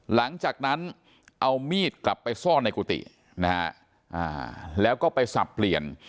หลังจากนั้นเอามีดกลับไปซ่อนในกุฏินะฮะแล้วก็ไปสับเปลี่ยน